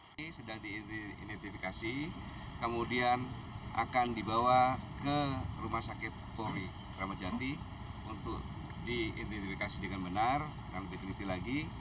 ini sudah diidentifikasi kemudian akan dibawa ke rumah sakit polri ramadjati untuk diidentifikasi dengan benar nanti diteliti lagi